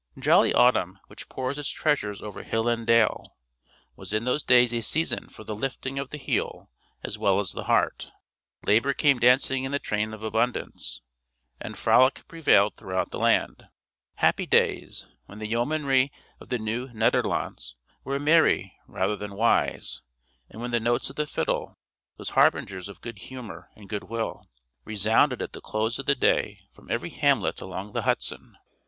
Jolly autumn, which pours its treasures over hill and dale, was in those days a season for the lifting of the heel as well as the heart; labor came dancing in the train of abundance, and frolic prevailed throughout the land. Happy days! when the yeomanry of the Nieuw Nederlands were merry rather than wise; and when the notes of the fiddle, those harbingers of good humor and good will, resounded at the close of the day from every hamlet along the Hudson!